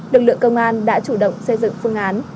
lực lượng công an đã chủ động xây dựng phương án